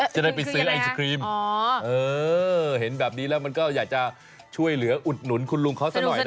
จะได้ไปซื้อไอศครีมเห็นแบบนี้แล้วมันก็อยากจะช่วยเหลืออุดหนุนคุณลุงเขาสักหน่อยนะ